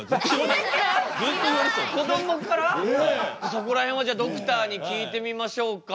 そこら辺はじゃあドクターに聞いてみましょうか。